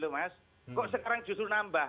kok mas kok sekarang justru nambah